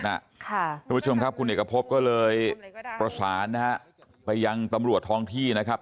คุณผู้ชมครับคุณเอกพบก็เลยประสานนะฮะไปยังตำรวจท้องที่นะครับ